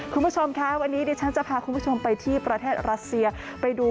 คุณผู้ชมคะวันนี้ดิฉันจะพาคุณผู้ชมไปที่ประเทศรัสเซียไปดู